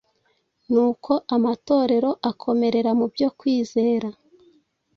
Nuko amatorero akomerera mu byo kwizera,